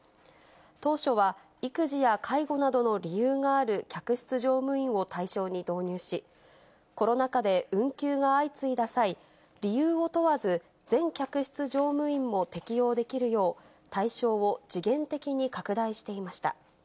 当初は育児や介護などの理由がある客室乗務員を対象に導入し、コロナ禍で運休が相次いだ際、理由を問わず、全客室乗務員も適用できるよう、対象を時限的に拡大していました。